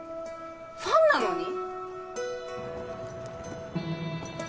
ファンなのに？